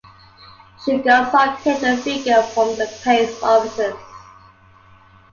Shugarts obtained the figure from the Pei's offices.